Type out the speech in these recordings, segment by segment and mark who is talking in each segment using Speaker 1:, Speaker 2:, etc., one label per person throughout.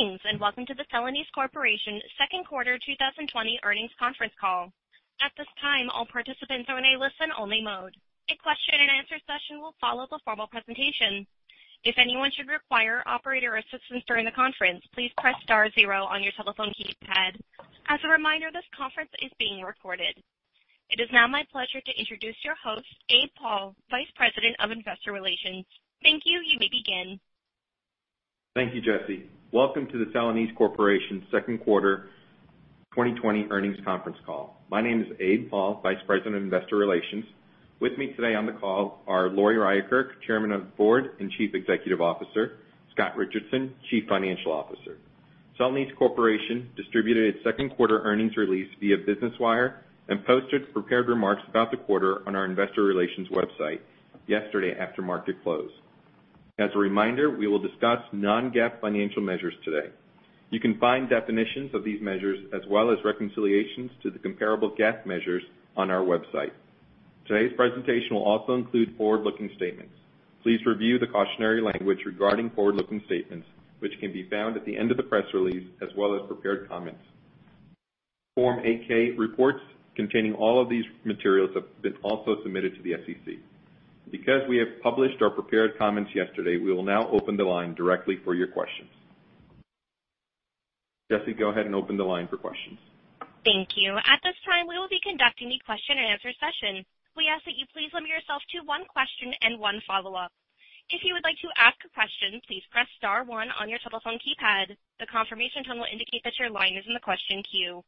Speaker 1: Greetings, and welcome to the Celanese Corporation second quarter 2020 earnings conference call. At this time, all participants are in a listen-only mode. A question-and-answer session will follow the formal presentation. If anyone should require operator assistance during the conference, please press star zero on your telephone keypad. As a reminder, this conference is being recorded. It is now my pleasure to introduce your host, Abe Paul, Vice President of Investor Relations. Thank you. You may begin.
Speaker 2: Thank you, Jesse. Welcome to the Celanese Corporation second quarter 2020 earnings conference call. My name is Abe Paul, Vice President of Investor Relations. With me today on the call are Lori Ryerkerk, Chairman of the Board and Chief Executive Officer, Scott Richardson, Chief Financial Officer. Celanese Corporation distributed its second quarter earnings release via Business Wire and posted prepared remarks about the quarter on our investor relations website yesterday after market close. As a reminder, we will discuss non-GAAP financial measures today. You can find definitions of these measures as well as reconciliations to the comparable GAAP measures on our website. Today's presentation will also include forward-looking statements. Please review the cautionary language regarding forward-looking statements, which can be found at the end of the press release, as well as prepared comments. Form 8-K reports containing all of these materials have been also submitted to the SEC. Because we have published our prepared comments yesterday, we will now open the line directly for your questions. Jesse, go ahead and open the line for questions.
Speaker 1: Thank you. At this time, we will be conducting the question-and-answer session. We ask that you please limit yourself to one question and one follow-up. If you would like to ask a question, please press star one on your telephone keypad. The confirmation tone will indicate that your line is in the question queue.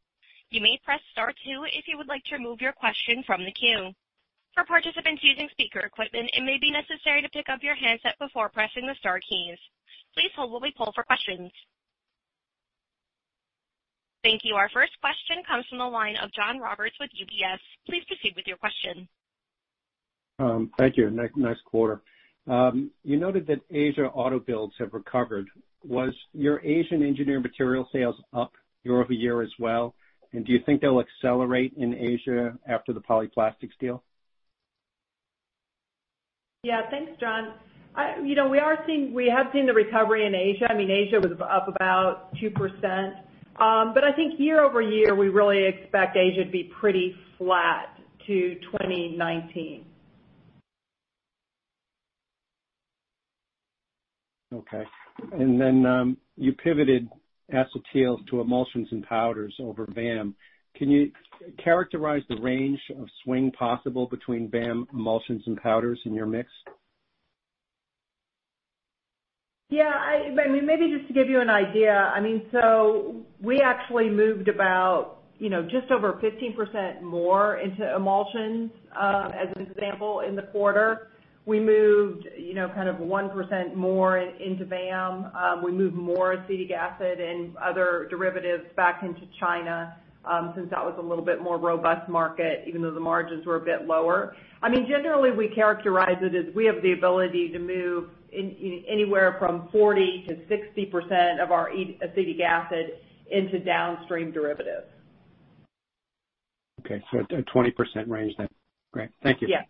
Speaker 1: You may press star two if you would like to remove your question from the queue. For participants using speaker equipment, it may be necessary to pick up your handset before pressing the star keys. Please hold while we poll for questions. Thank you. Our first question comes from the line of John Roberts with UBS. Please proceed with your question.
Speaker 3: Thank you. Nice quarter. You noted that Asia auto builds have recovered. Was your Asian engineering material sales up year-over-year as well? Do you think they'll accelerate in Asia after the Polyplastics deal?
Speaker 4: Yeah. Thanks, John. We have seen the recovery in Asia. Asia was up about 2%. I think year-over-year, we really expect Asia to be pretty flat to 2019.
Speaker 3: Okay. Then you pivoted acetyls to emulsions and powders over VAM. Can you characterize the range of swing possible between VAM emulsions and powders in your mix?
Speaker 4: Yeah. Maybe just to give you an idea, we actually moved about just over 15% more into emulsions, as an example, in the quarter. We moved 1% more into VAM. We moved more acetic acid and other derivatives back into China, since that was a little bit more robust market, even though the margins were a bit lower. Generally, we characterize it as we have the ability to move anywhere from 40%-60% of our acetic acid into downstream derivatives.
Speaker 3: Okay. A 20% range then. Great. Thank you.
Speaker 4: Yeah.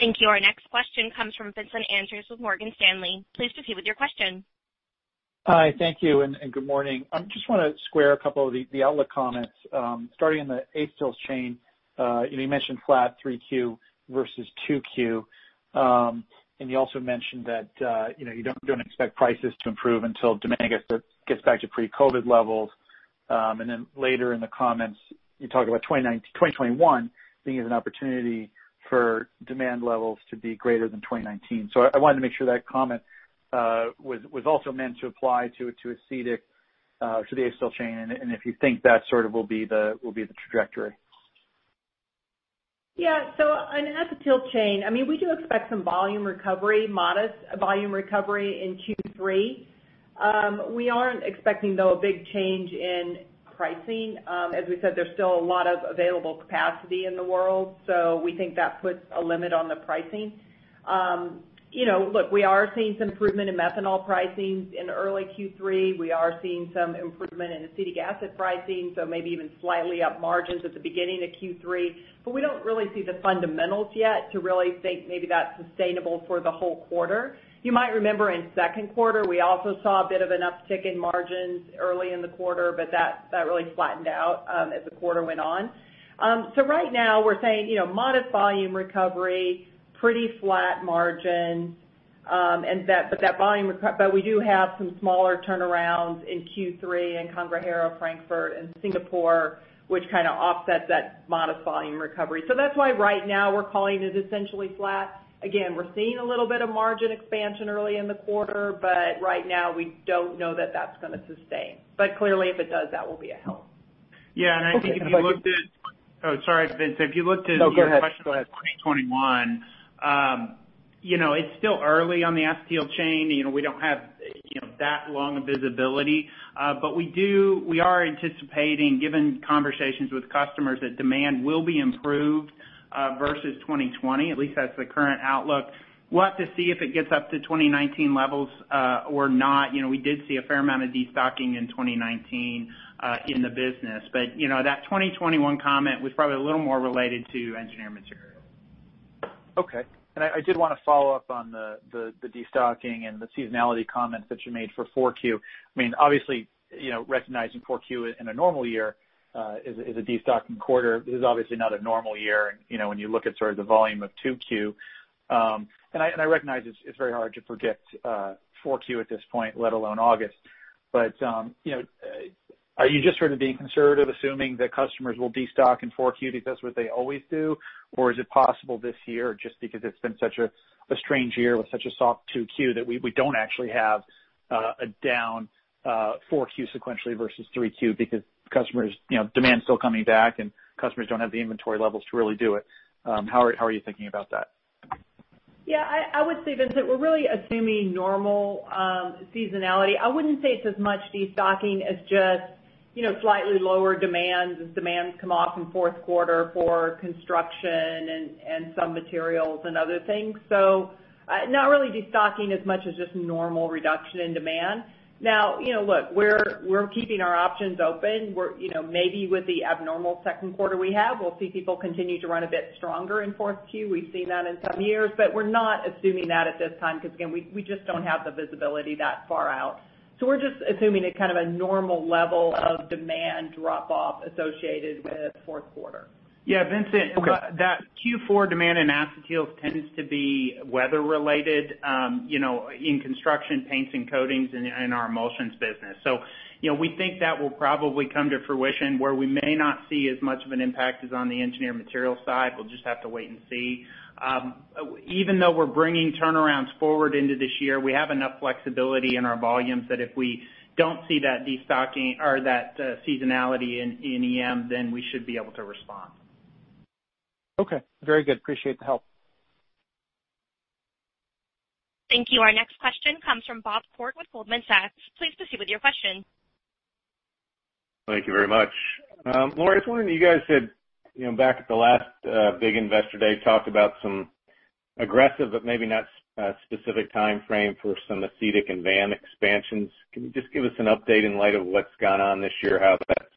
Speaker 1: Thank you. Our next question comes from Vincent Andrews with Morgan Stanley. Please proceed with your question.
Speaker 5: Hi. Thank you, and good morning. I just want to square a couple of the outlook comments, starting in the Acetyl Chain. You mentioned flat 3Q versus 2Q. You also mentioned that you don't expect prices to improve until demand gets back to pre-COVID levels. Later in the comments, you talk about 2021 being an opportunity for demand levels to be greater than 2019. I wanted to make sure that comment was also meant to apply to acetic, to the Acetyl Chain, and if you think that sort of will be the trajectory.
Speaker 4: In an Acetyl Chain, we do expect some volume recovery, modest volume recovery in Q3. We aren't expecting, though, a big change in pricing. As we said, there's still a lot of available capacity in the world, so we think that puts a limit on the pricing. We are seeing some improvement in methanol pricing in early Q3. We are seeing some improvement in acetic acid pricing, so maybe even slightly up margins at the beginning of Q3. We don't really see the fundamentals yet to really think maybe that's sustainable for the whole quarter. You might remember in the second quarter, we also saw a bit of an uptick in margins early in the quarter, but that really flattened out as the quarter went on. Right now we're saying modest volume recovery, pretty flat margin. We do have some smaller turnarounds in Q3 in Cangrejera, Frankfurt, and Singapore, which kind of offsets that modest volume recovery. That's why right now we're calling it essentially flat. Again, we're seeing a little bit of margin expansion early in the quarter, but right now we don't know that that's going to sustain. Clearly, if it does, that will be a help.
Speaker 6: Yeah, I think. Oh, sorry, Vincent. If you looked at your question.
Speaker 5: No, go ahead.
Speaker 6: For 2021. It's still early on the Acetyl Chain. We don't have that long of visibility. We are anticipating, given conversations with customers, that demand will be improved versus 2020. At least that's the current outlook. We'll have to see if it gets up to 2019 levels or not. We did see a fair amount of destocking in 2019 in the business. That 2021 comment was probably a little more related to engineering material.
Speaker 5: Okay. I did want to follow up on the de-stocking and the seasonality comments that you made for 4Q. Obviously, recognizing 4Q in a normal year is a de-stocking quarter. This is obviously not a normal year, when you look at sort of the volume of 2Q. I recognize it's very hard to forget 4Q at this point, let alone August. Are you just sort of being conservative, assuming that customers will de-stock in 4Q because that's what they always do? Is it possible this year, just because it's been such a strange year with such a soft 2Q, that we don't actually have a down 4Q sequentially versus 3Q because demand's still coming back, and customers don't have the inventory levels to really do it? How are you thinking about that?
Speaker 4: Yeah, I would say, Vincent, we're really assuming normal seasonality. I wouldn't say it's as much de-stocking as just slightly lower demand as demands come off in fourth quarter for construction and some materials and other things. Not really de-stocking as much as just normal reduction in demand. Look, we're keeping our options open. Maybe with the abnormal second quarter we have, we'll see people continue to run a bit stronger in 4Q. We've seen that in some years, but we're not assuming that at this time, because again, we just don't have the visibility that far out. We're just assuming a kind of a normal level of demand drop-off associated with fourth quarter.
Speaker 6: Yeah, Vincent, that Q4 demand in acetyls tends to be weather related in construction paints and coatings in our emulsions business. We think that will probably come to fruition where we may not see as much of an impact as on the engineered material side. We'll just have to wait and see. Even though we're bringing turnarounds forward into this year, we have enough flexibility in our volumes that if we don't see that seasonality in EM, then we should be able to respond.
Speaker 5: Okay. Very good. Appreciate the help.
Speaker 1: Thank you. Our next question comes from Bob Koort with Goldman Sachs. Please proceed with your question.
Speaker 7: Thank you very much. Lori, I was wondering, you guys said back at the last big Investor Day, talked about some aggressive but maybe not specific timeframe for some acetic and VAM expansions. Can you just give us an update in light of what's gone on this year, how that's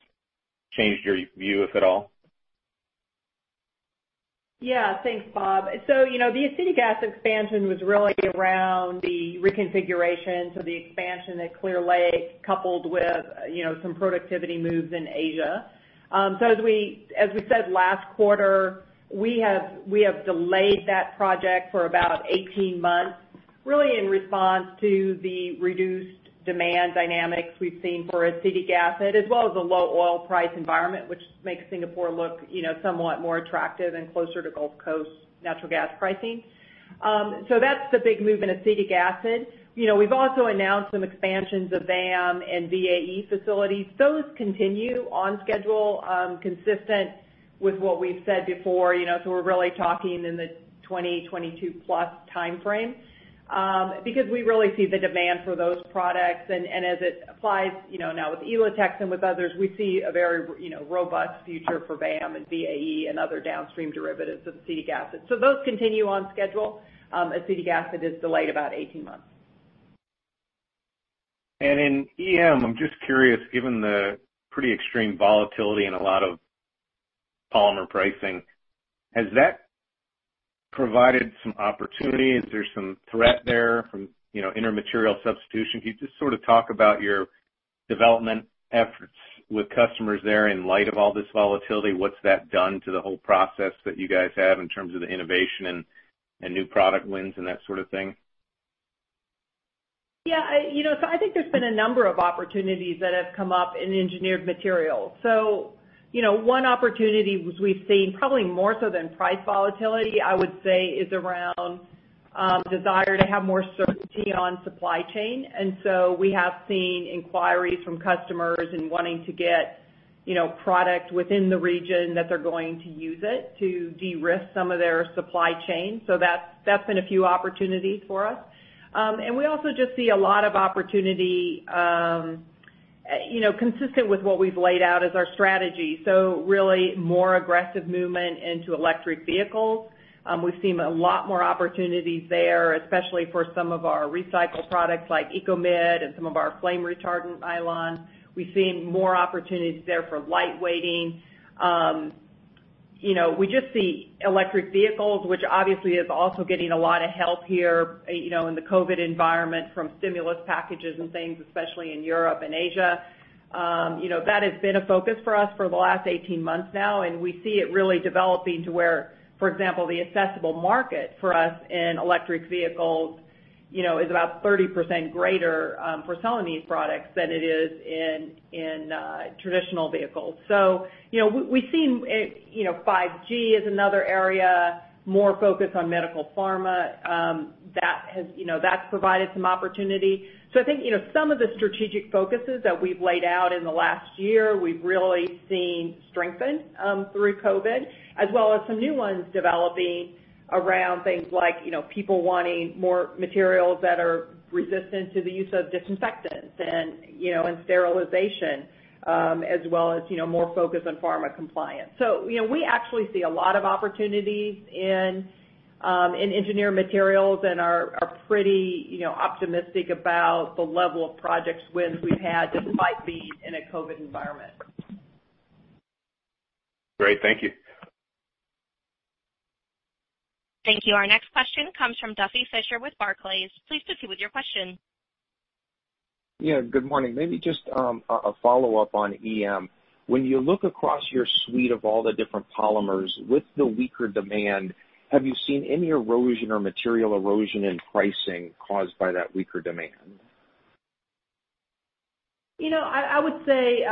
Speaker 7: changed your view, if at all?
Speaker 4: Yes. Thanks, Bob. The acetic acid expansion was really around the reconfiguration, the expansion at Clear Lake coupled with some productivity moves in Asia. As we said last quarter, we have delayed that project for about 18 months, really in response to the reduced demand dynamics we've seen for acetic acid, as well as the low oil price environment, which makes Singapore look somewhat more attractive and closer to Gulf Coast natural gas pricing. That's the big move in acetic acid. We've also announced some expansions of VAM and VAE facilities. Those continue on schedule, consistent with what we've said before. We're really talking in the 2022 plus timeframe. Because we really see the demand for those products. As it applies now with Elotex and with others, we see a very robust future for VAM and VAE and other downstream derivatives of acetic acid. Those continue on schedule. Acetic acid is delayed about 18 months.
Speaker 7: In EM, I'm just curious, given the pretty extreme volatility in a lot of polymer pricing, has that provided some opportunity? Is there some threat there from intermaterial substitution? Can you just sort of talk about your development efforts with customers there in light of all this volatility? What's that done to the whole process that you guys have in terms of the innovation and new product wins and that sort of thing?
Speaker 4: Yeah. I think there's been a number of opportunities that have come up in engineered materials. One opportunity we've seen probably more so than price volatility, I would say, is around desire to have more certainty on supply chain. We have seen inquiries from customers in wanting to get product within the region that they're going to use it to de-risk some of their supply chain. That's been a few opportunities for us. We also just see a lot of opportunity consistent with what we've laid out as our strategy. Really more aggressive movement into electric vehicles. We've seen a lot more opportunities there, especially for some of our recycled products like ECOMID and some of our flame retardant nylons. We've seen more opportunities there for light weighting. We just see electric vehicles, which obviously is also getting a lot of help here in the COVID environment from stimulus packages and things, especially in Europe and Asia. That has been a focus for us for the last 18 months now. We see it really developing to where, for example, the accessible market for us in electric vehicles is about 30% greater for Celanese products than it is in traditional vehicles. We've seen 5G is another area, more focus on medical pharma. That's provided some opportunity. I think some of the strategic focuses that we've laid out in the last year, we've really seen strengthen through COVID, as well as some new ones developing around things like people wanting more materials that are resistant to the use of disinfectants and sterilization, as well as more focus on pharma compliance. We actually see a lot of opportunities in engineered materials and are pretty optimistic about the level of project wins we've had despite being in a COVID environment.
Speaker 7: Great. Thank you.
Speaker 1: Thank you. Our next question comes from Duffy Fischer with Barclays. Please proceed with your question.
Speaker 8: Yeah, good morning. Maybe just a follow-up on EM. When you look across your suite of all the different polymers with the weaker demand, have you seen any erosion or material erosion in pricing caused by that weaker demand?
Speaker 4: I would say,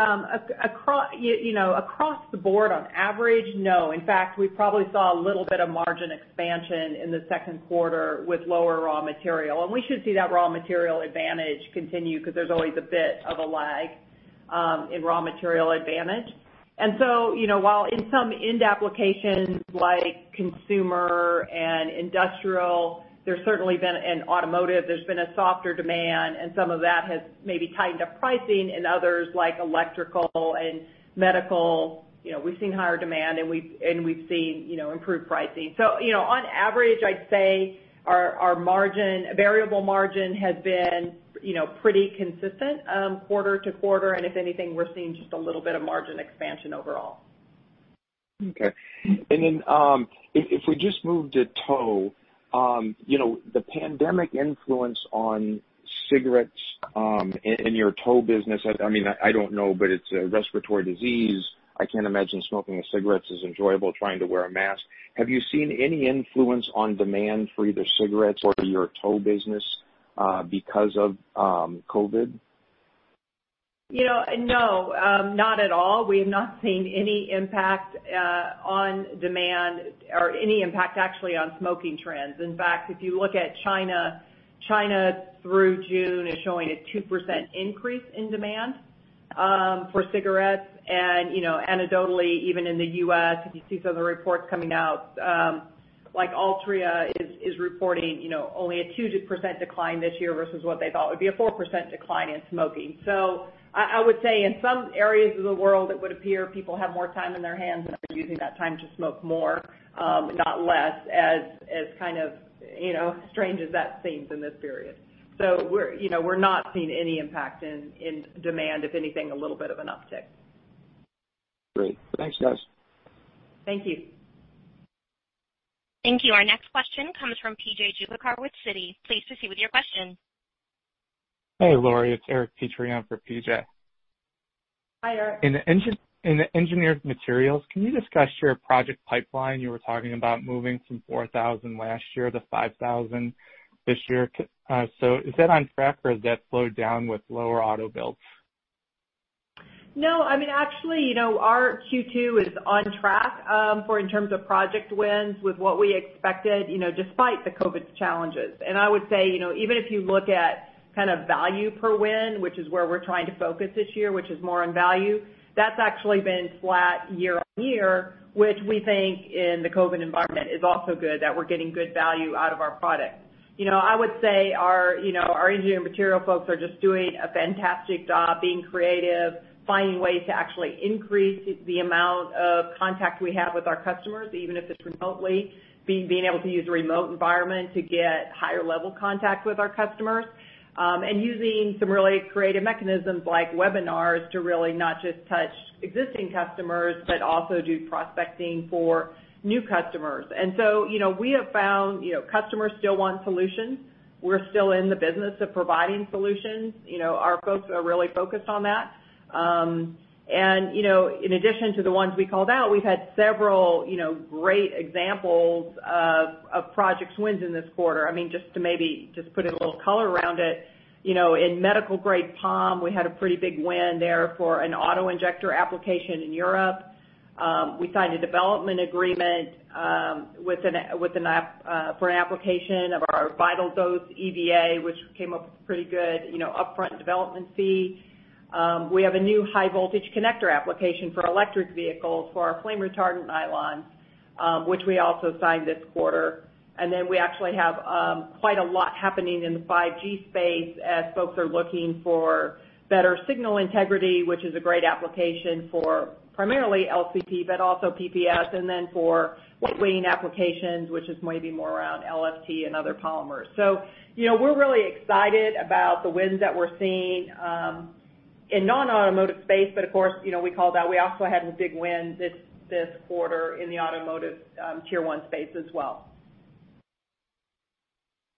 Speaker 4: across the board, on average, no. In fact, we probably saw a little bit of margin expansion in the second quarter with lower raw material. We should see that raw material advantage continue because there's always a bit of a lag, in raw material advantage. While in some end applications like consumer and industrial, there's certainly been, and automotive, there's been a softer demand, and some of that has maybe tightened up pricing in others like electrical and medical. We've seen higher demand and we've seen improved pricing. On average, I'd say our variable margin has been pretty consistent, quarter-to-quarter. If anything, we're seeing just a little bit of margin expansion overall.
Speaker 8: Okay. If we just move to tow, the pandemic influence on cigarettes, in your tow business, I don't know, it's a respiratory disease. I can't imagine smoking a cigarette is enjoyable trying to wear a mask. Have you seen any influence on demand for either cigarettes or your tow business, because of COVID?
Speaker 4: No, not at all. We have not seen any impact on demand or any impact actually on smoking trends. If you look at China through June is showing a 2% increase in demand for cigarettes. Anecdotally, even in the U.S., if you see some of the reports coming out, like Altria is reporting only a 2% decline this year versus what they thought would be a 4% decline in smoking. I would say in some areas of the world, it would appear people have more time in their hands and are using that time to smoke more, not less as kind of strange as that seems in this period. We're not seeing any impact in demand. If anything, a little bit of an uptick.
Speaker 8: Great. Thanks, guys.
Speaker 4: Thank you.
Speaker 1: Thank you. Our next question comes from PJ Juvekar with Citi. Please proceed with your question.
Speaker 9: Hey, Lori. It's Eric Petrie for PJ.
Speaker 4: Hi, Eric.
Speaker 9: In the engineered materials, can you discuss your project pipeline? You were talking about moving from 4,000 last year to 5,000 this year. Is that on track, or has that slowed down with lower auto builds?
Speaker 4: No, actually, our Q2 is on track, for in terms of project wins with what we expected despite the COVID challenges. I would say, even if you look at value per win, which is where we're trying to focus this year, which is more on value, that's actually been flat year-on-year, which we think in the COVID environment is also good that we're getting good value out of our products. I would say our engineering material folks are just doing a fantastic job being creative, finding ways to actually increase the amount of contact we have with our customers, even if it's remotely. Being able to use a remote environment to get higher level contact with our customers, and using some really creative mechanisms like webinars to really not just touch existing customers, but also do prospecting for new customers. We have found customers still want solutions. We are still in the business of providing solutions. Our folks are really focused on that. In addition to the ones we called out, we have had several great examples of project wins in this quarter. Just to maybe just put a little color around it. In medical grade POM, we had a pretty big win there for an auto injector application in Europe. We signed a development agreement, for an application of our VitalDose EVA, which came up pretty good upfront development fee. We have a new high voltage connector application for electric vehicles for our flame retardant nylon, which we also signed this quarter. We actually have quite a lot happening in the 5G space as folks are looking for better signal integrity, which is a great application for primarily LCP, but also PPS. For lightweighting applications, which is maybe more around LFRT and other polymers. We're really excited about the wins that we're seeing, in non-automotive space. Of course, we called out, we also had some big wins this quarter in the automotive Tier 1 space as well.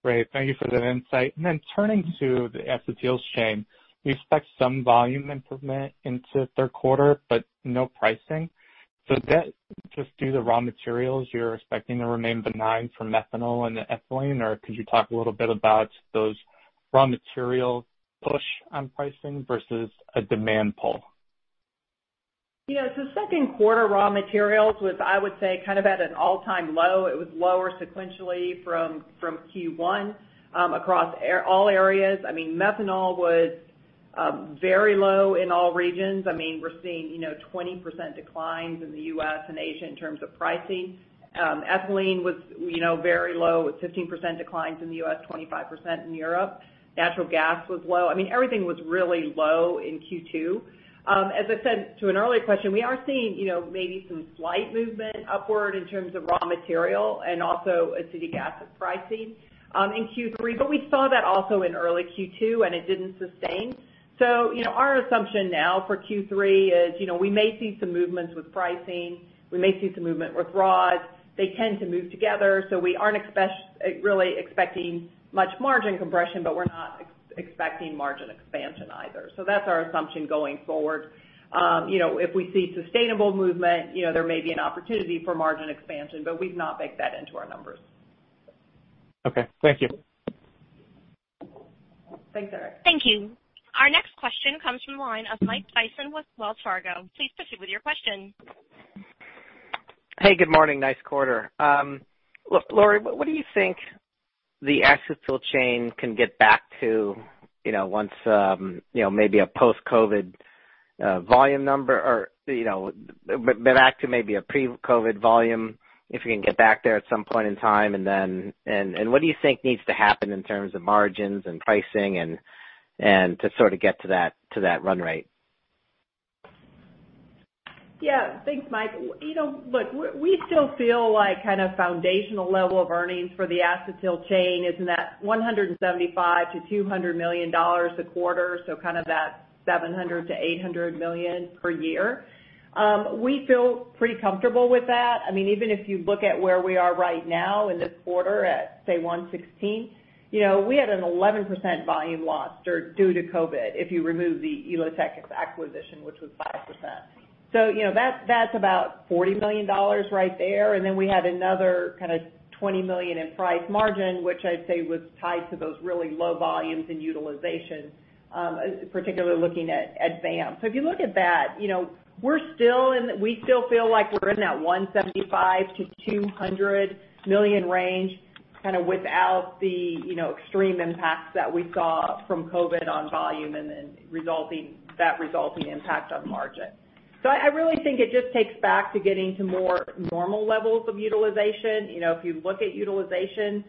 Speaker 9: Great. Thank you for that insight. Turning to the Acetyl Chain, we expect some volume improvement into third quarter, but no pricing. Is that just due to raw materials you're expecting to remain benign from methanol and ethylene? Could you talk a little bit about those raw material push on pricing versus a demand pull?
Speaker 4: Second quarter raw materials was, I would say, at an all-time low. It was lower sequentially from Q1, across all areas. Methanol was very low in all regions. We're seeing 20% declines in the U.S. and Asia in terms of pricing. Ethylene was very low with 15% declines in the U.S., 25% in Europe. Natural gas was low. Everything was really low in Q2. As I said to an earlier question, we are seeing maybe some slight movement upward in terms of raw material and also acetic acid pricing, in Q3, we saw that also in early Q2, and it didn't sustain. Our assumption now for Q3 is, we may see some movements with pricing, we may see some movement with raws. They tend to move together, we aren't really expecting much margin compression, we're not expecting margin expansion either. That's our assumption going forward. If we see sustainable movement, there may be an opportunity for margin expansion, but we've not baked that into our numbers.
Speaker 9: Okay, thank you.
Speaker 4: Thanks, Eric.
Speaker 1: Thank you. Our next question comes from the line of Mike Sison with Wells Fargo. Please proceed with your question.
Speaker 10: Hey, good morning. Nice quarter. Look, Lori, what do you think the Acetyl Chain can get back to once maybe a post-COVID volume number or back to maybe a pre-COVID volume, if you can get back there at some point in time? What do you think needs to happen in terms of margins and pricing and to sort of get to that run rate?
Speaker 4: Thanks, Mike. Look, we still feel like kind of foundational level of earnings for the Acetyl Chain is in that $175 million-$200 million a quarter, so kind of that $700 million-$800 million per year. We feel pretty comfortable with that. Even if you look at where we are right now in this quarter at, say, $116 million, we had an 11% volume loss due to COVID, if you remove the Elotex acquisition, which was 5%. That's about $40 million right there. We had another kind of $20 million in price margin, which I'd say was tied to those really low volumes in utilization, particularly looking at VAM. If you look at that, we still feel like we're in that $175 million-$200 million range, kind of without the extreme impacts that we saw from COVID on volume and then that resulting impact on margin. I really think it just takes back to getting to more normal levels of utilization. If you look at utilization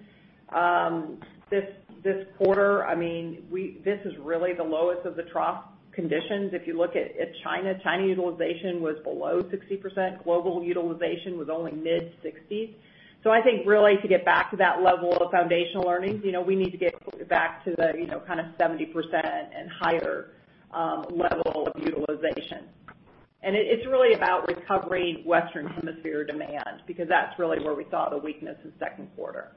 Speaker 4: this quarter, this is really the lowest of the trough conditions. If you look at China utilization was below 60%. Global utilization was only mid-60s. I think really to get back to that level of foundational earnings, we need to get back to the kind of 70% and higher level of utilization. It's really about recovering Western Hemisphere demand, because that's really where we saw the weakness in the second quarter.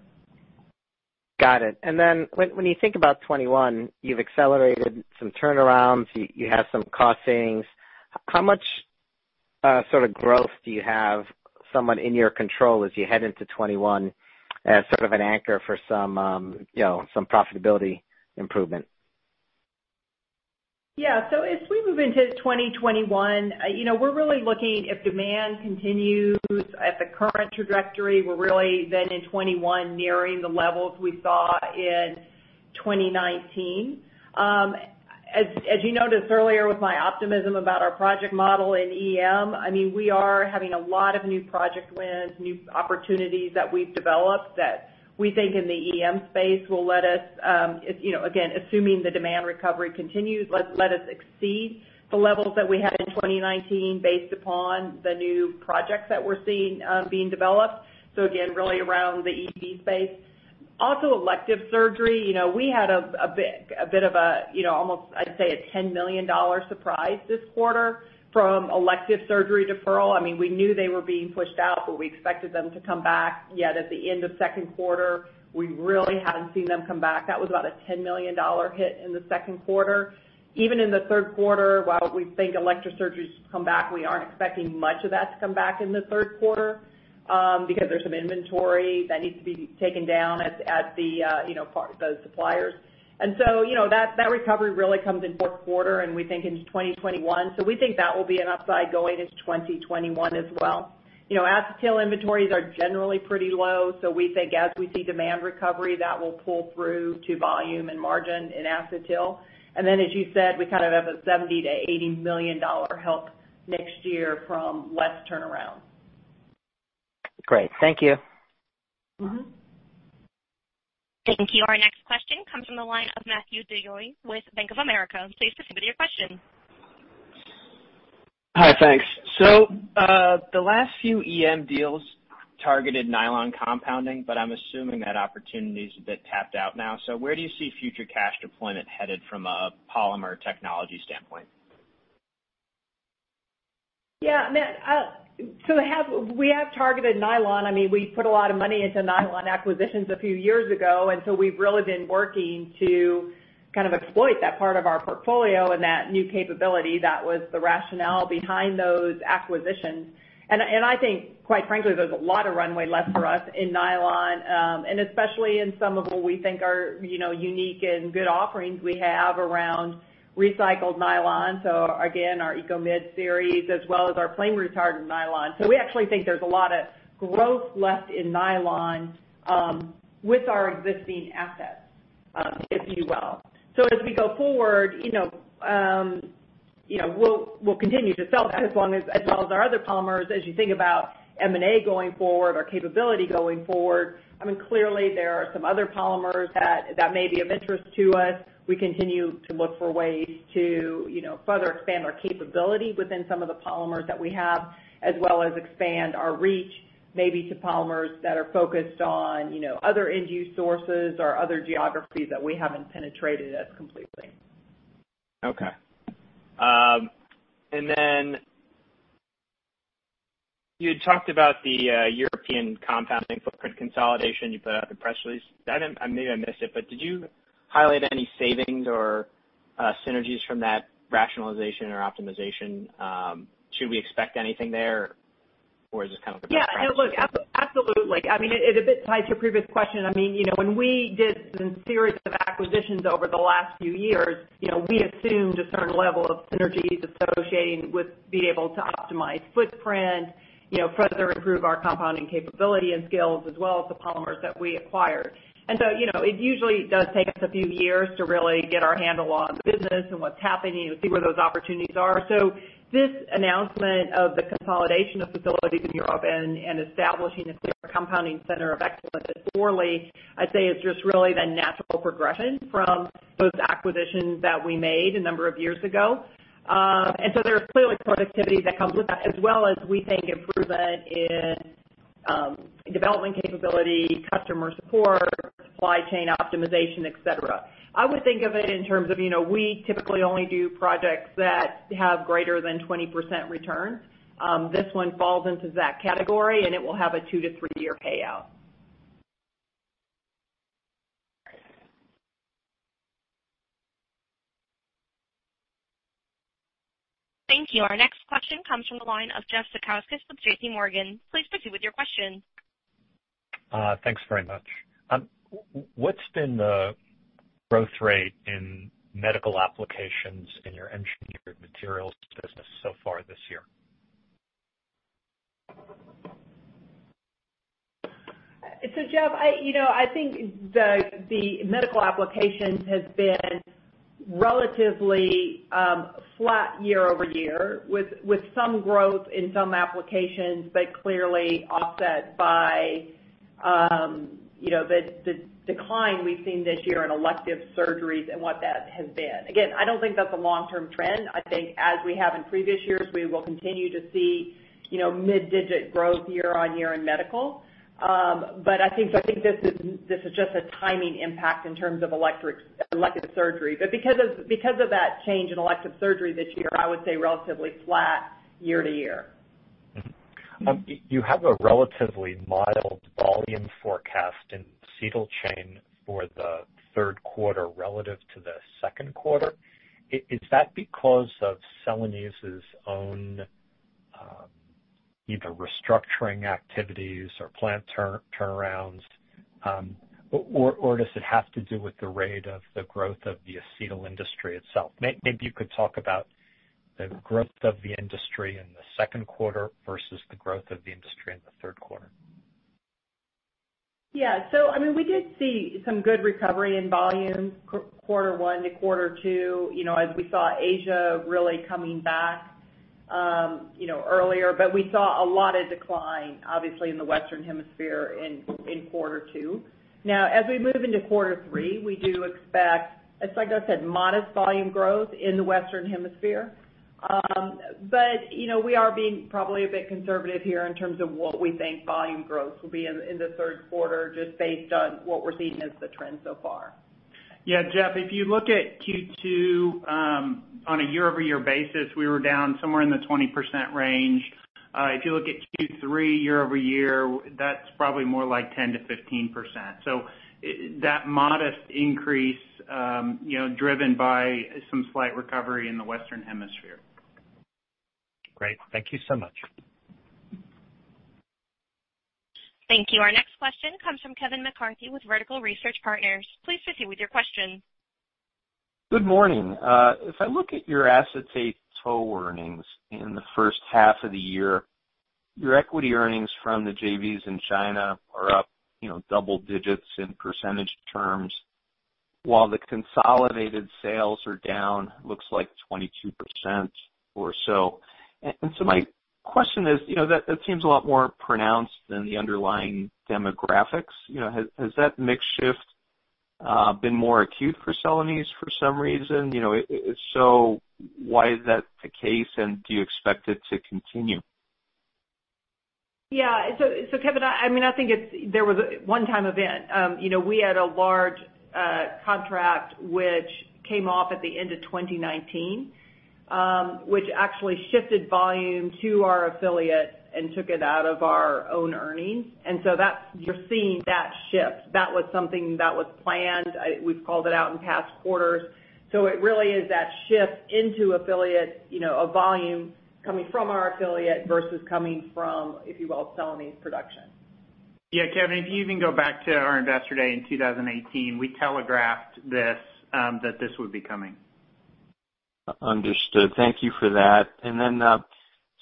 Speaker 10: Got it. When you think about 2021, you've accelerated some turnarounds. You have some cost savings. How much sort of growth do you have somewhat in your control as you head into 2021 as sort of an anchor for some profitability improvement?
Speaker 4: As we move into 2021, we're really looking if demand continues at the current trajectory, we're really then in 2021 nearing the levels we saw in 2019. As you noticed earlier with my optimism about our project model in EM, we are having a lot of new project wins, new opportunities that we've developed that we think in the EM space will let us, again, assuming the demand recovery continues, let us exceed the levels that we had in 2019 based upon the new projects that we're seeing being developed. Again, really around the EM space. Also elective surgery. We had a bit of almost, I'd say, a $10 million surprise this quarter from elective surgery deferral. We knew they were being pushed out, we expected them to come back, yet at the end of the second quarter, we really hadn't seen them come back. That was about a $10 million hit in the second quarter. Even in the third quarter, while we think elective surgeries come back, we aren't expecting much of that to come back in the third quarter, because there's some inventory that needs to be taken down at the suppliers. That recovery really comes in the fourth quarter, and we think into 2021. We think that will be an upside going into 2021 as well. Acetyl inventories are generally pretty low, so we think as we see demand recovery, that will pull through to volume and margin in acetyl. As you said, we kind of have a $70 million-$80 million help next year from less turnaround.
Speaker 10: Great. Thank you.
Speaker 1: Thank you. Our next question comes from the line of Matthew DeYoe with Bank of America. Please proceed with your question.
Speaker 11: Hi, thanks. The last few EM deals targeted nylon compounding, but I'm assuming that opportunity's a bit tapped out now. Where do you see future cash deployment headed from a polymer technology standpoint?
Speaker 4: Yeah, Matt. We have targeted nylon. We put a lot of money into nylon acquisitions a few years ago. We've really been working to kind of exploit that part of our portfolio and that new capability. That was the rationale behind those acquisitions. I think, quite frankly, there's a lot of runway left for us in nylon, and especially in some of what we think are unique and good offerings we have around recycled nylon. Again, our ECOMID series, as well as our flame retardant nylon. We actually think there's a lot of growth left in nylon with our existing assets, if you will. As we go forward, we'll continue to sell that as well as our other polymers. As you think about M&A going forward, our capability going forward, clearly there are some other polymers that may be of interest to us. We continue to look for ways to further expand our capability within some of the polymers that we have, as well as expand our reach maybe to polymers that are focused on other end use sources or other geographies that we haven't penetrated as completely.
Speaker 11: Okay. You had talked about the European compounding footprint consolidation. You put out the press release. Maybe I missed it, did you highlight any savings or synergies from that rationalization or optimization? Should we expect anything there, is this kind of?
Speaker 4: Yeah. Look, absolutely. It a bit ties to a previous question. When we did some series of acquisitions over the last few years, we assumed a certain level of synergies associated with being able to optimize footprint, further improve our compounding capability and skills, as well as the polymers that we acquired. It usually does take us a few years to really get our handle on the business and what's happening and see where those opportunities are. This announcement of the consolidation of facilities in Europe and establishing a SO.F.TER. compounding center of excellence at Forlì, I'd say is just really the natural progression from those acquisitions that we made a number of years ago. There's clearly productivity that comes with that as well as, we think, improvement in development capability, customer support, supply chain optimization, et cetera. I would think of it in terms of, we typically only do projects that have greater than 20% return. This one falls into that category, and it will have a two- to three-year payout.
Speaker 1: Thank you. Our next question comes from the line of Jeff Zekauskas with JPMorgan. Please proceed with your question.
Speaker 12: Thanks very much. What's been the growth rate in medical applications in your engineered materials business so far this year?
Speaker 4: Jeff, I think the medical applications has been relatively flat year-over-year with some growth in some applications, but clearly offset by the decline we've seen this year in elective surgeries and what that has been. Again, I don't think that's a long-term trend. I think as we have in previous years, we will continue to see mid-digit growth year-on-year in medical. I think this is just a timing impact in terms of elective surgery. Because of that change in elective surgery this year, I would say relatively flat year-to-year.
Speaker 12: You have a relatively mild volume forecast in Acetyl Chain for the third quarter relative to the second quarter. Is that because of Celanese's own, either restructuring activities or plant turnarounds, or does it have to do with the rate of the growth of the acetyl industry itself? Maybe you could talk about the growth of the industry in the second quarter versus the growth of the industry in the third quarter.
Speaker 4: We did see some good recovery in volumes quarter one to quarter two, as we saw Asia really coming back earlier. We saw a lot of decline, obviously, in the Western Hemisphere in quarter two. As we move into quarter three, we do expect, it's like I said, modest volume growth in the Western Hemisphere. We are being probably a bit conservative here in terms of what we think volume growth will be in the third quarter, just based on what we're seeing as the trend so far.
Speaker 6: Yeah, Jeff, if you look at Q2, on a year-over-year basis, we were down somewhere in the 20% range. If you look at Q3 year-over-year, that's probably more like 10%-15%. That modest increase driven by some slight recovery in the Western Hemisphere.
Speaker 12: Great. Thank you so much.
Speaker 1: Thank you. Our next question comes from Kevin McCarthy with Vertical Research Partners. Please proceed with your question.
Speaker 13: Good morning. If I look at your acetate tow earnings in the first half of the year, your equity earnings from the JVs in China are up double-digits in percentage terms, while the consolidated sales are down, looks like 22% or so. My question is, that seems a lot more pronounced than the underlying demographics. Has that mix shift been more acute for Celanese for some reason? If so, why is that the case, and do you expect it to continue?
Speaker 4: Yeah. Kevin, I think there was a one-time event. We had a large contract which came off at the end of 2019, which actually shifted volume to our affiliate and took it out of our own earnings. You're seeing that shift. That was something that was planned. We've called it out in past quarters. It really is that shift into affiliate, a volume coming from our affiliate versus coming from, if you will, Celanese production.
Speaker 6: Yeah, Kevin, if you even go back to our Investor Day in 2018, we telegraphed this, that this would be coming.
Speaker 13: Understood. Thank you for that.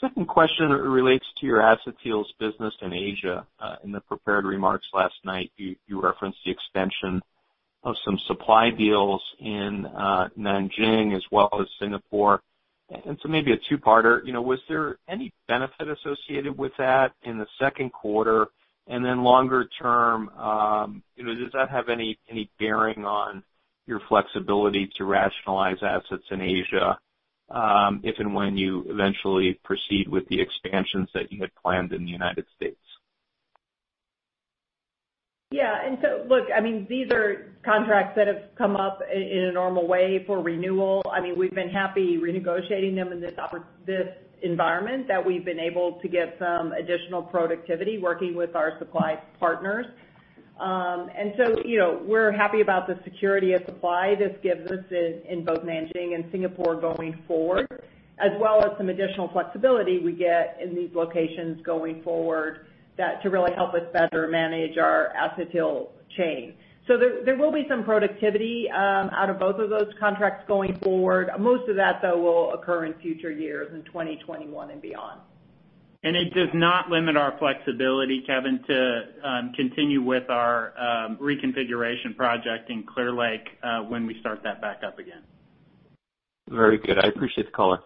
Speaker 13: Second question relates to your acetyls business in Asia. In the prepared remarks last night, you referenced the extension of some supply deals in Nanjing as well as Singapore. Maybe a two-parter. Was there any benefit associated with that in the second quarter? Longer-term, does that have any bearing on your flexibility to rationalize assets in Asia, if and when you eventually proceed with the expansions that you had planned in the United States?
Speaker 4: These are contracts that have come up in a normal way for renewal. We've been happy renegotiating them in this environment that we've been able to get some additional productivity working with our supply partners. We're happy about the security of supply this gives us in both Nanjing and Singapore going forward, as well as some additional flexibility we get in these locations going forward to really help us better manage our Acetyl Chain. There will be some productivity out of both of those contracts going forward. Most of that, though, will occur in future years, in 2021 and beyond.
Speaker 6: It does not limit our flexibility, Kevin, to continue with our reconfiguration project in Clear Lake when we start that back up again.
Speaker 13: Very good. I appreciate the color.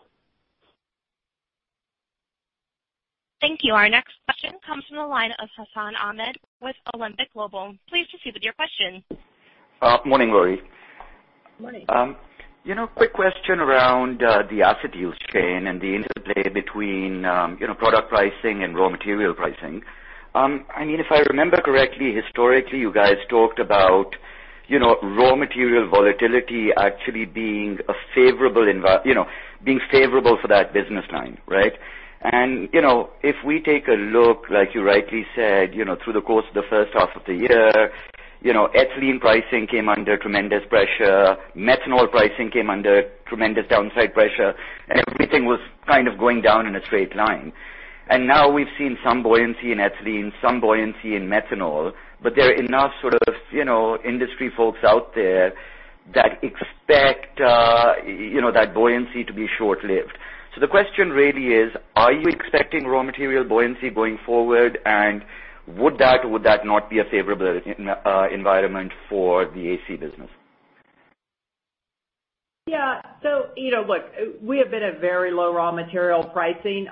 Speaker 1: Thank you. Our next question comes from the line of Hassan Ahmed with Alembic Global. Please proceed with your question.
Speaker 14: Morning, Lori.
Speaker 4: Morning.
Speaker 14: Quick question around the Acetyl Chain and the interplay between product pricing and raw material pricing. If I remember correctly, historically, you guys talked about raw material volatility actually being favorable for that business line, right? If we take a look, like you rightly said, through the course of the first half of the year, ethylene pricing came under tremendous pressure, methanol pricing came under tremendous downside pressure, and everything was kind of going down in a straight line. Now we've seen some buoyancy in ethylene, some buoyancy in methanol, but there are enough sort of industry folks out there that expect that buoyancy to be short-lived. The question really is, are you expecting raw material buoyancy going forward? Would that or would that not be a favorable environment for the AC business?
Speaker 4: Look, we have been at very low raw material pricing,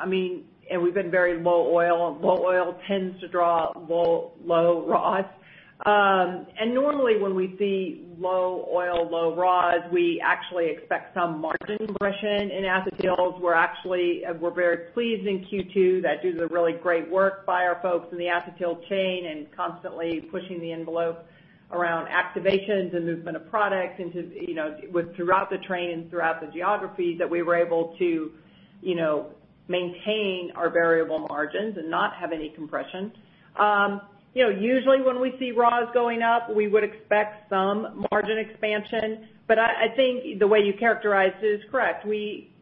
Speaker 4: and we've been very low oil. Low oil tends to draw low raws. Normally, when we see low oil, low raws, we actually expect some margin compression in acetyls. We're very pleased in Q2 that due to the really great work by our folks in the Acetyl Chain and constantly pushing the envelope around activations and movement of product throughout the train and throughout the geographies, that we were able to maintain our variable margins and not have any compression. Usually when we see raws going up, we would expect some margin expansion. I think the way you characterized it is correct.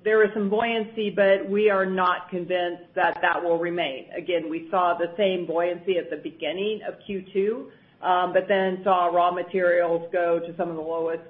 Speaker 4: There is some buoyancy, we are not convinced that that will remain. We saw the same buoyancy at the beginning of Q2. Then saw raw materials go to some of the lowest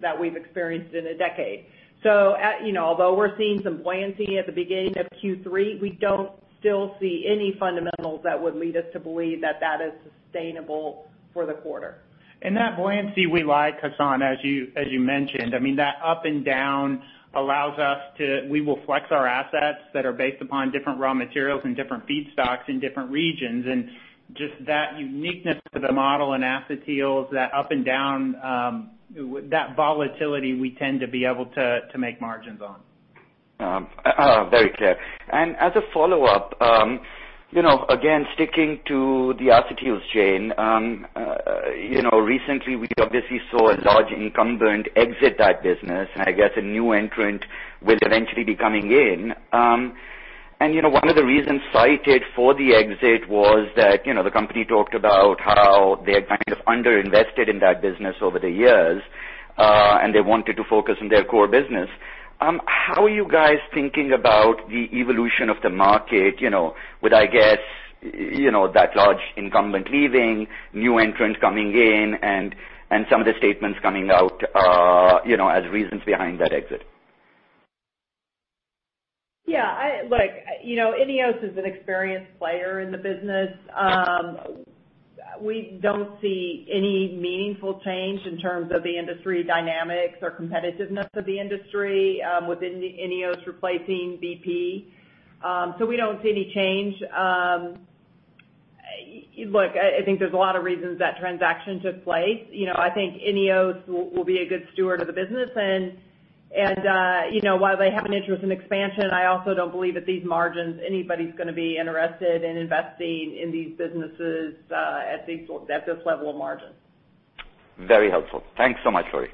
Speaker 4: that we've experienced in a decade. Although we're seeing some buoyancy at the beginning of Q3, we don't still see any fundamentals that would lead us to believe that that is sustainable for the quarter.
Speaker 6: That buoyancy we like, Hassan, as you mentioned. That up and down allows us to flex our assets that are based upon different raw materials and different feedstocks in different regions. Just that uniqueness to the model in acetyls, that up and down, that volatility we tend to be able to make margins on.
Speaker 14: Very clear. As a follow-up, again, sticking to the Acetyl Chain. Recently we obviously saw a large incumbent exit that business, and I guess a new entrant will eventually be coming in. One of the reasons cited for the exit was that the company talked about how they had kind of underinvested in that business over the years, and they wanted to focus on their core business. How are you guys thinking about the evolution of the market with, I guess, that large incumbent leaving, new entrants coming in, and some of the statements coming out as reasons behind that exit?
Speaker 4: Yeah. Look, INEOS is an experienced player in the business. We don't see any meaningful change in terms of the industry dynamics or competitiveness of the industry with INEOS replacing BP. We don't see any change. Look, I think there's a lot of reasons that transaction took place. I think INEOS will be a good steward of the business, and while they have an interest in expansion, I also don't believe at these margins anybody's going to be interested in investing in these businesses at this level of margin.
Speaker 14: Very helpful. Thanks so much, Lori.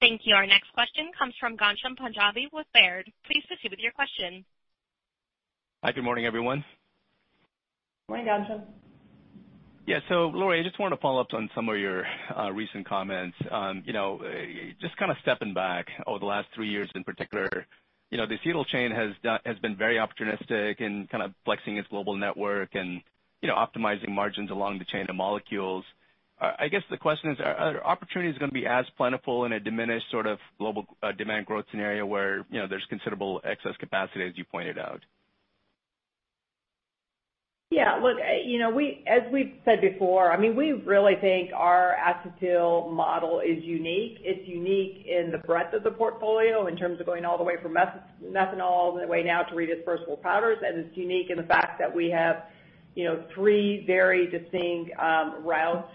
Speaker 1: Thank you. Our next question comes from Ghansham Panjabi with Baird. Please proceed with your question.
Speaker 15: Hi, good morning, everyone.
Speaker 4: Morning, Ghansham.
Speaker 15: Lori, I just wanted to follow up on some of your recent comments. Just kind of stepping back over the last three years in particular, the Acetyl Chain has been very opportunistic in kind of flexing its global network and optimizing margins along the chain of molecules. I guess the question is, are opportunities going to be as plentiful in a diminished sort of global demand growth scenario where there's considerable excess capacity, as you pointed out?
Speaker 4: Look, as we've said before, we really think our Acetyl Chain is unique. It's unique in the breadth of the portfolio in terms of going all the way from methanol all the way now to redispersible powders, and it's unique in the fact that we have three very distinct routes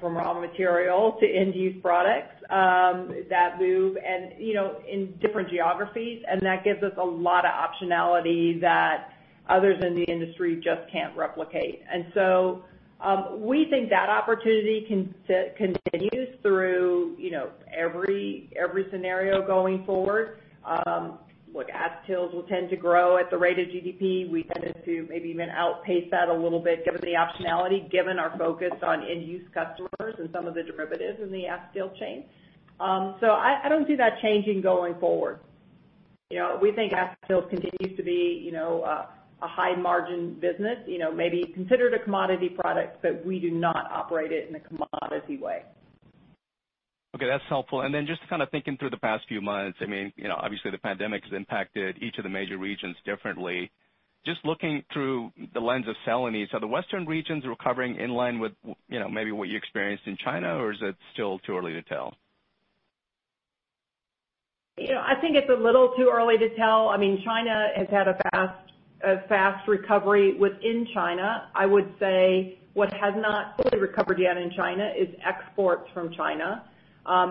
Speaker 4: from raw material to end-use products that move in different geographies. That gives us a lot of optionality that others in the industry just can't replicate. So we think that opportunity continues through every scenario going forward. Acetyls will tend to grow at the rate of GDP. We tended to maybe even outpace that a little bit given the optionality, given our focus on end-use customers and some of the derivatives in the Acetyl Chain. I don't see that changing going forward. We think Acetyl continues to be a high margin business, maybe considered a commodity product, but we do not operate it in a commodity way.
Speaker 15: Okay, that's helpful. Then just kind of thinking through the past few months, obviously the pandemic has impacted each of the major regions differently. Just looking through the lens of Celanese, are the Western regions recovering in line with maybe what you experienced in China, or is it still too early to tell?
Speaker 4: I think it's a little too early to tell. China has had a fast recovery within China.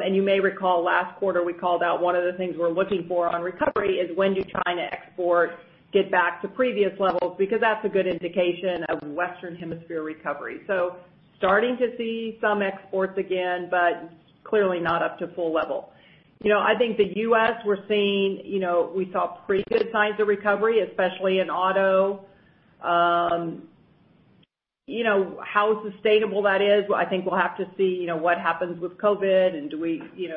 Speaker 4: You may recall last quarter we called out one of the things we're looking for on recovery is when do China exports get back to previous levels, because that's a good indication of Western Hemisphere recovery. Starting to see some exports again, but clearly not up to full level. I think the U.S. we saw pretty good signs of recovery, especially in auto. How sustainable that is, I think we'll have to see what happens with COVID and do we see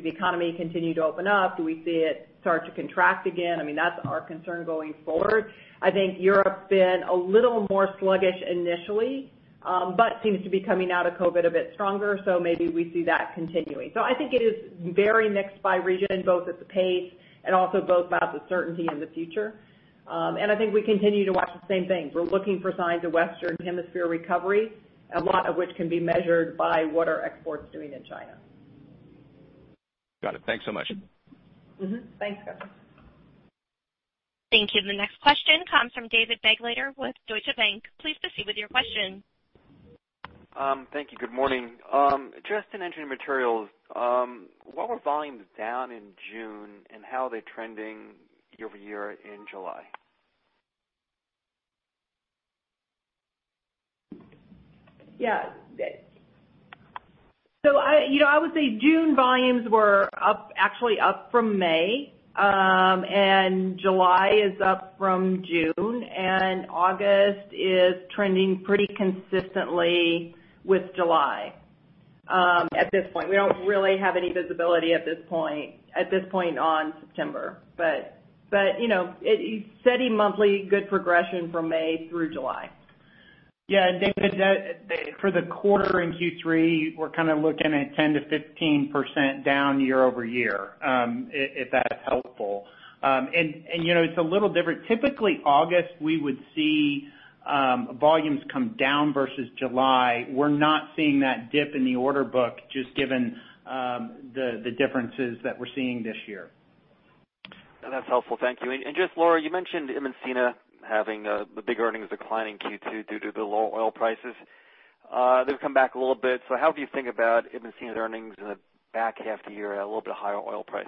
Speaker 4: the economy continue to open up? Do we see it start to contract again? That's our concern going forward. I think Europe's been a little more sluggish initially, but seems to be coming out of COVID a bit stronger, so maybe we see that continuing. I think it is very mixed by region, both at the pace and also both about the certainty in the future. I think we continue to watch the same thing. We're looking for signs of Western Hemisphere recovery, a lot of which can be measured by what are exports doing in China.
Speaker 15: Got it. Thanks so much.
Speaker 4: Thanks, Kevin.
Speaker 1: Thank you. The next question comes from David Begleiter with Deutsche Bank. Please proceed with your question.
Speaker 16: Thank you. Good morning. Just in Engineering Materials, what were volumes down in June and how are they trending year-over-year in July?
Speaker 4: I would say June volumes were actually up from May. July is up from June. August is trending pretty consistently with July at this point. We don't really have any visibility at this point on September. Steady monthly good progression from May through July.
Speaker 6: Yeah, David, for the quarter in Q3, we're kind of looking at 10%-15% down year-over-year, if that's helpful. It's a little different. Typically August we would see volumes come down versus July. We're not seeing that dip in the order book, just given the differences that we're seeing this year.
Speaker 16: That's helpful. Thank you. Just Lori, you mentioned Imerys having the big earnings decline in Q2 due to the low oil prices. They've come back a little bit. How do you think about Imerys' earnings in the back half of the year at a little bit higher oil price?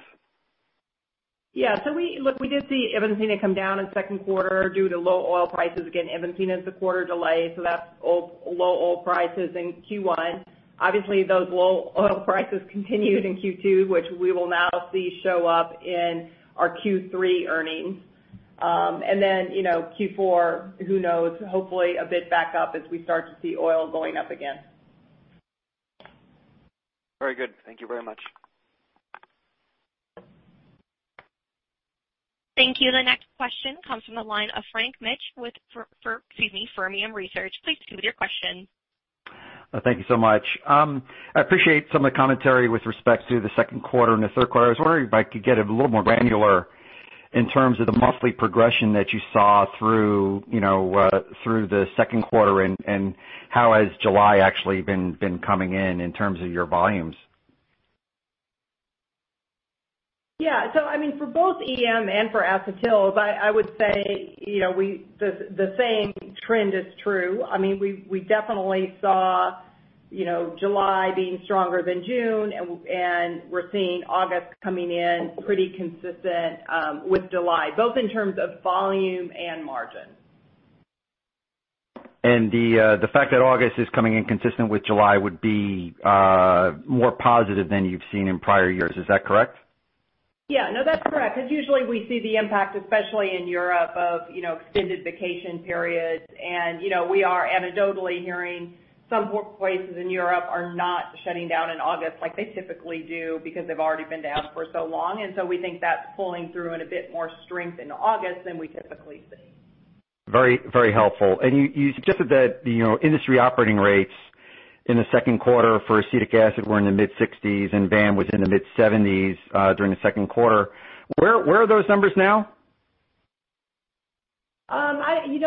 Speaker 4: Yeah. Look, we did see Imerys come down in second quarter due to low oil prices. Imerys is a quarter delay, that's low oil prices in Q1. Obviously, those low oil prices continued in Q2, which we will now see show up in our Q3 earnings. Q4, who knows? Hopefully a bit back up as we start to see oil going up again.
Speaker 16: Very good. Thank you very much.
Speaker 1: Thank you. The next question comes from the line of Frank Mitsch with, excuse me, Fermium Research. Please proceed with your question.
Speaker 17: Thank you so much. I appreciate some of the commentary with respect to the second quarter and the third quarter. I was wondering if I could get a little more granular in terms of the monthly progression that you saw through the second quarter, and how has July actually been coming in in terms of your volumes?
Speaker 4: Yeah. For both EM and for Acetyls, I would say the same trend is true. We definitely saw July being stronger than June, and we're seeing August coming in pretty consistent with July, both in terms of volume and margin.
Speaker 17: The fact that August is coming in consistent with July would be more positive than you've seen in prior years. Is that correct?
Speaker 4: Yeah. No, that's correct, because usually we see the impact, especially in Europe of extended vacation periods. We are anecdotally hearing some workplaces in Europe are not shutting down in August like they typically do because they've already been down for so long. We think that's pulling through in a bit more strength into August than we typically see.
Speaker 17: Very helpful. You suggested that industry operating rates in the second quarter for acetic acid were in the mid-60s and VAM was in the mid-70s during the second quarter. Where are those numbers now?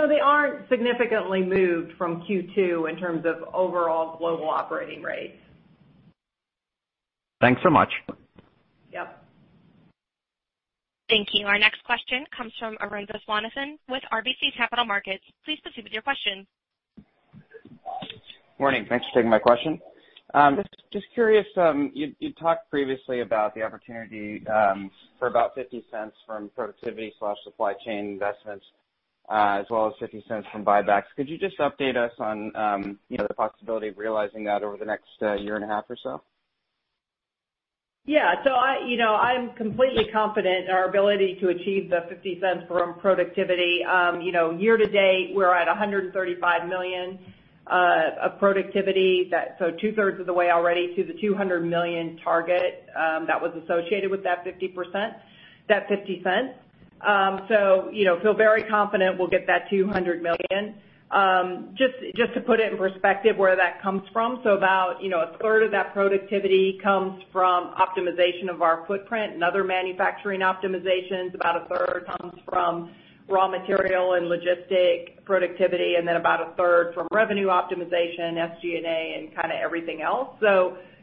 Speaker 4: They aren't significantly moved from Q2 in terms of overall global operating rates.
Speaker 17: Thanks so much.
Speaker 1: Thank you. Our next question comes from Arun Viswanathan with RBC Capital Markets. Please proceed with your question.
Speaker 18: Morning. Thanks for taking my question. Just curious, you talked previously about the opportunity for about $0.50 from productivity/supply chain investments, as well as $0.50 from buybacks. Could you just update us on the possibility of realizing that over the next year and a half or so?
Speaker 4: Yeah. I'm completely confident in our ability to achieve the $0.50 from productivity. Year to date, we're at $135 million of productivity, two-thirds of the way already to the $200 million target that was associated with that $0.50. Feel very confident we'll get that $200 million. Just to put it in perspective where that comes from. About a third of that productivity comes from optimization of our footprint and other manufacturing optimizations. About a third comes from raw material and logistic productivity, about a third from revenue optimization, SG&A, and kind of everything else.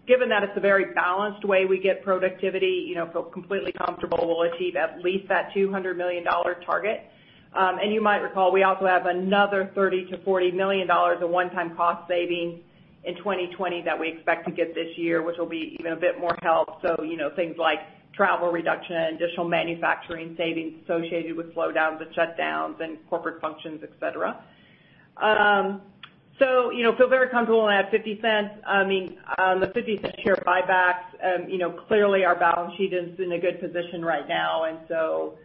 Speaker 4: Given that it's a very balanced way we get productivity, feel completely comfortable we'll achieve at least that $200 million target. You might recall, we also have another $30 million-$40 million of one-time cost savings in 2020 that we expect to get this year, which will be even a bit more help. Things like travel reduction, additional manufacturing savings associated with slowdowns and shutdowns and corporate functions, et cetera. Feel very comfortable on that $0.50. On the $0.50 share buybacks, clearly our balance sheet is in a good position right now, and so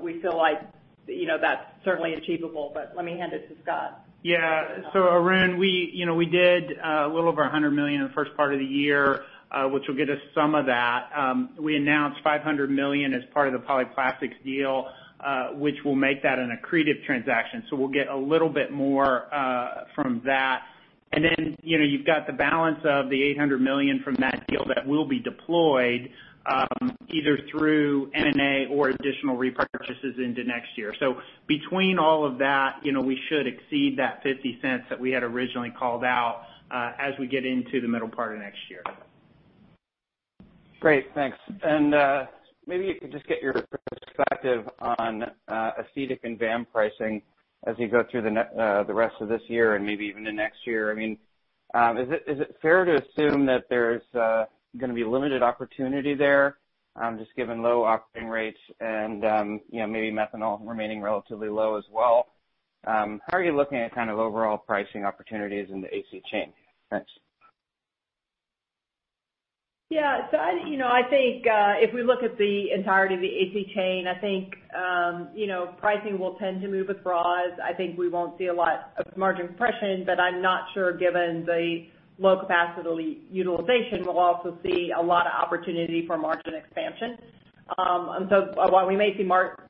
Speaker 4: we feel like that's certainly achievable. Let me hand it to Scott.
Speaker 6: Yeah. Arun, we did a little over $100 million in the first part of the year, which will get us some of that. We announced $500 million as part of the Polyplastics deal, which will make that an accretive transaction. We'll get a little bit more from that. You've got the balance of the $800 million from that deal that will be deployed either through M&A or additional repurchases into next year. Between all of that, we should exceed that $0.50 that we had originally called out as we get into the middle part of next year.
Speaker 18: Great. Thanks. Maybe if we could just get your perspective on acetic and VAM pricing as you go through the rest of this year and maybe even into next year. Is it fair to assume that there's going to be limited opportunity there, just given low operating rates and maybe methanol remaining relatively low as well? How are you looking at kind of overall pricing opportunities in the AC Chain? Thanks.
Speaker 4: I think if we look at the entirety of the Acetyl Chain, I think pricing will tend to move with raws. I think we won't see a lot of margin compression, I'm not sure given the low capacity utilization, we'll also see a lot of opportunity for margin expansion. While we may see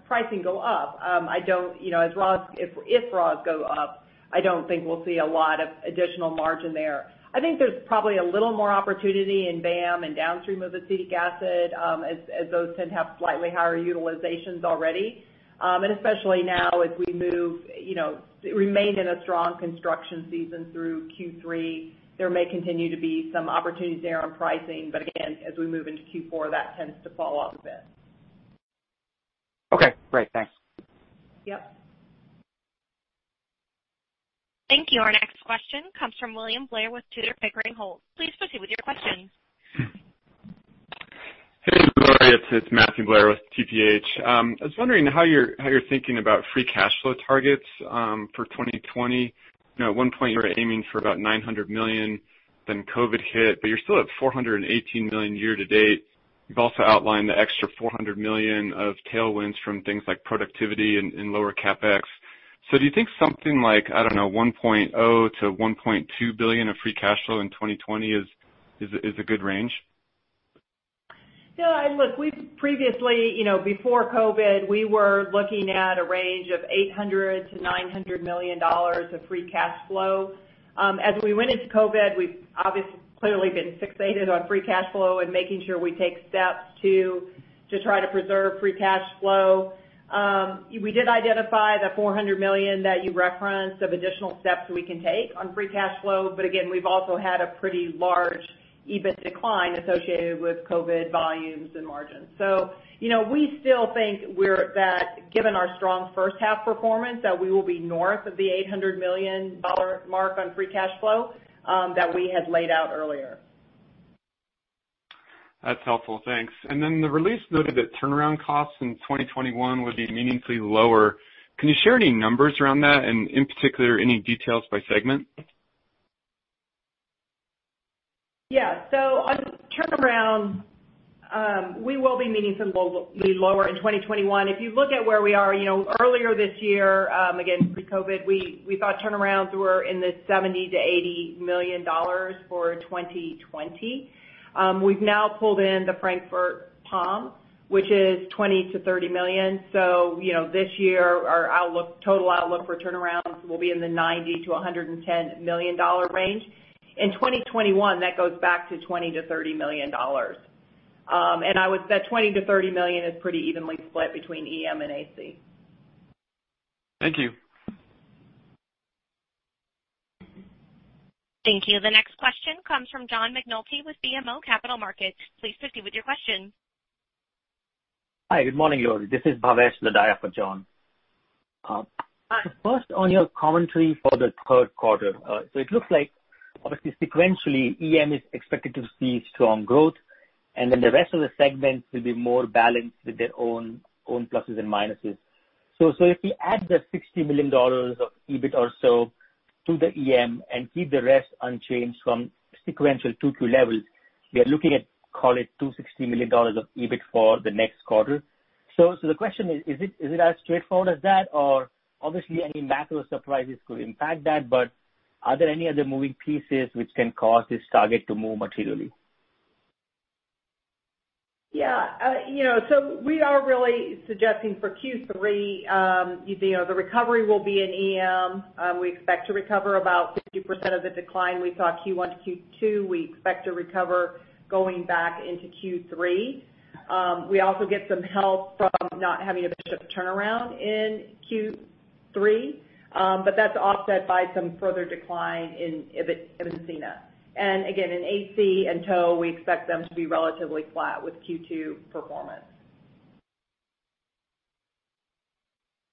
Speaker 4: pricing go up, if raws go up, I don't think we'll see a lot of additional margin there. I think there's probably a little more opportunity in VAM and downstream of acetic acid, as those tend to have slightly higher utilizations already. Especially now as we remain in a strong construction season through Q3, there may continue to be some opportunities there on pricing. Again, as we move into Q4, that tends to fall off a bit.
Speaker 18: Okay, great. Thanks.
Speaker 4: Yep.
Speaker 1: Thank you. Our next question comes from Matthew Blair with Tudor, Pickering, Holt. Please proceed with your question.
Speaker 19: Hey, Lori, it's Matthew Blair with TPH. I was wondering how you're thinking about free cash flow targets for 2020. At one point you were aiming for about $900 million, then COVID hit. You're still at $418 million year-to-date. You've also outlined the extra $400 million of tailwinds from things like productivity and lower CapEx. Do you think something like, I don't know, $1.0 billion-$1.2 billion of free cash flow in 2020 is a good range?
Speaker 4: Look, previously, before COVID, we were looking at a range of $800 million-$900 million of free cash flow. As we went into COVID, we've clearly been fixated on free cash flow and making sure we take steps to try to preserve free cash flow. We did identify the $400 million that you referenced of additional steps we can take on free cash flow, but again, we've also had a pretty large EBIT decline associated with COVID volumes and margins. We still think that given our strong first half performance, that we will be north of the $800 million mark on free cash flow that we had laid out earlier.
Speaker 19: That's helpful, thanks. The release noted that turnaround costs in 2021 would be meaningfully lower. Can you share any numbers around that? In particular, any details by segment?
Speaker 4: Yeah. On turnaround, we will be meaningfully lower in 2021. If you look at where we are earlier this year, again, pre-COVID, we thought turnarounds were in the $70 million-$80 million for 2020. We've now pulled in the Frankfurt POM, which is $20 million-$30 million. This year, our total outlook for turnarounds will be in the $90 million-$110 million range. In 2021, that goes back to $20 million-$30 million. I would say $20 million-$30 million is pretty evenly split between EM and AC.
Speaker 19: Thank you.
Speaker 1: Thank you. The next question comes from John McNulty with BMO Capital Markets. Please proceed with your question.
Speaker 20: Hi, good morning, Lori. This is Bhavesh Lodaya for John.
Speaker 4: Hi.
Speaker 20: First, on your commentary for the third quarter. It looks like, obviously sequentially, EM is expected to see strong growth, and then the rest of the segments will be more balanced with their own pluses and minuses. If we add the $60 million of EBIT or so to the EM and keep the rest unchanged from sequential Q2 levels, we are looking at, call it, $260 million of EBIT for the next quarter. The question is: Is it as straightforward as that? Obviously, any macro surprises could impact that, but are there any other moving pieces which can cause this target to move materially?
Speaker 4: We are really suggesting for Q3, the recovery will be in EM. We expect to recover about 50% of the decline we saw Q1-Q2. We expect to recover going back into Q3. We also get some help from not having a Bishop turnaround in Q3. That's offset by some further decline in Ibn Sina. In AC and tow, we expect them to be relatively flat with Q2 performance.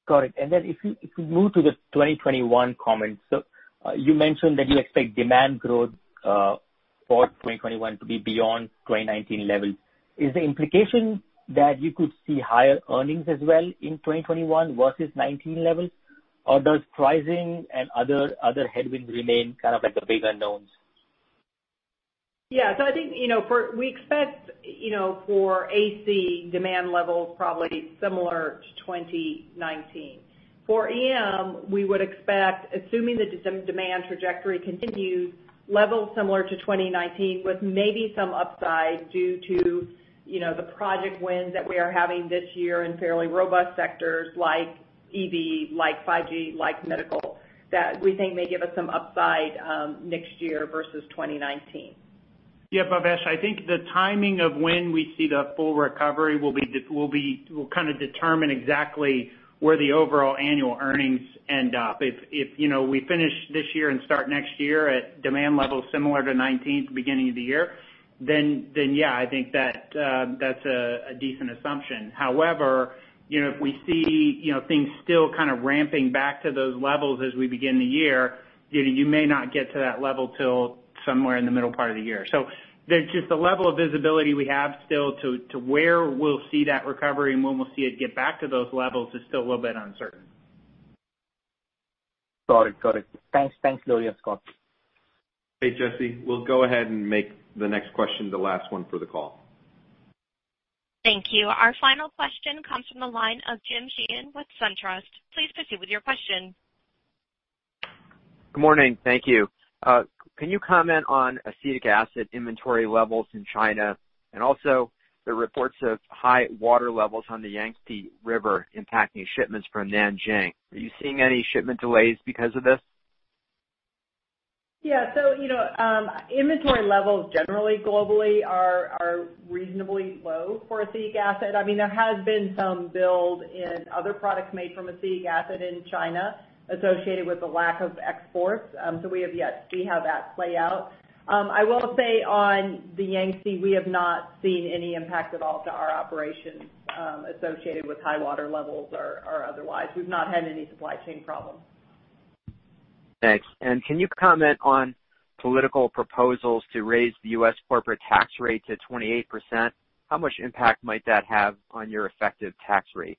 Speaker 20: Got it. If we move to the 2021 comments, you mentioned that you expect demand growth for 2021 to be beyond 2019 levels. Is the implication that you could see higher earnings as well in 2021 versus 2019 levels? Does pricing and other headwinds remain kind of like the big unknowns?
Speaker 4: Yeah. I think we expect for AC demand levels probably similar to 2019. For EM, we would expect, assuming the demand trajectory continues, levels similar to 2019 with maybe some upside due to the project wins that we are having this year in fairly robust sectors like EV, like 5G, like medical, that we think may give us some upside next year versus 2019.
Speaker 6: Yeah, Bhavesh. I think the timing of when we see the full recovery will kind of determine exactly where the overall annual earnings end up. If we finish this year and start next year at demand levels similar to 2019 at the beginning of the year, yeah, I think that's a decent assumption. If we see things still kind of ramping back to those levels as we begin the year, you may not get to that level till somewhere in the middle part of the year. There's just the level of visibility we have still to where we'll see that recovery and when we'll see it get back to those levels is still a little bit uncertain.
Speaker 20: Got it. Thanks, Lori and Scott.
Speaker 2: Hey, Jesse, we'll go ahead and make the next question the last one for the call.
Speaker 1: Thank you. Our final question comes from the line of Jim Sheehan with SunTrust. Please proceed with your question.
Speaker 21: Good morning. Thank you. Can you comment on acetic acid inventory levels in China, and also the reports of high water levels on the Yangtze River impacting shipments from Nanjing? Are you seeing any shipment delays because of this?
Speaker 4: Yeah. Inventory levels generally globally are reasonably low for acetic acid. There has been some build in other products made from acetic acid in China associated with the lack of exports. We have yet to see how that play out. I will say on the Yangtze, we have not seen any impact at all to our operations associated with high water levels or otherwise. We've not had any supply chain problems.
Speaker 21: Thanks. Can you comment on political proposals to raise the U.S. corporate tax rate to 28%? How much impact might that have on your effective tax rate?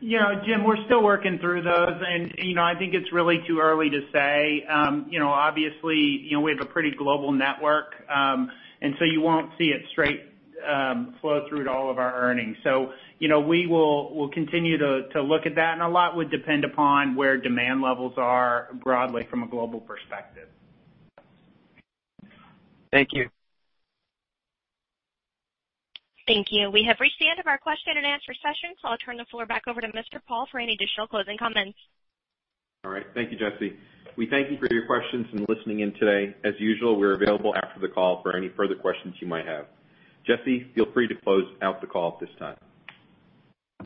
Speaker 6: Yeah, Jim, we're still working through those, and I think it's really too early to say. Obviously, we have a pretty global network. You won't see it straight flow through to all of our earnings. We will continue to look at that, and a lot would depend upon where demand levels are broadly from a global perspective.
Speaker 21: Thank you.
Speaker 1: Thank you. We have reached the end of our question-and-answer session, so I'll turn the floor back over to Mr. Paul for any additional closing comments.
Speaker 2: All right. Thank you, Jesse. We thank you for your questions and listening in today. As usual, we're available after the call for any further questions you might have. Jesse, feel free to close out the call at this time.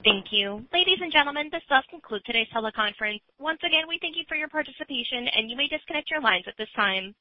Speaker 1: Thank you. Ladies and gentlemen, this does conclude today's teleconference. Once again, we thank you for your participation, and you may disconnect your lines at this time.